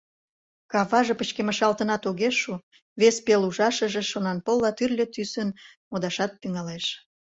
Каваже пычкемышалтынат огеш шу — вес пел ужашыже шонанпылла тӱрлӧ тӱсын модашат тӱҥалеш.